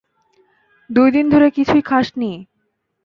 দুই দিন ধরে কিছুই খাস নি।